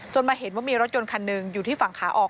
มาเห็นว่ามีรถยนต์คันหนึ่งอยู่ที่ฝั่งขาออก